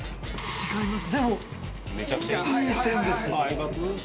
違います。